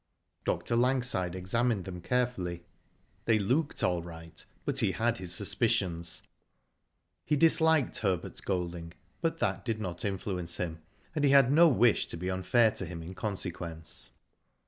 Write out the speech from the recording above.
Dr. Langside examined them carefully. They Digitized byGoogk 138 WHO DID ITf looked all right, but he had his suspicions. He disliked Herbert Golding, but that did not influence him, and he had no wish to be unfair to him in consequence.